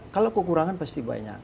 kalau kekurangan pasti banyak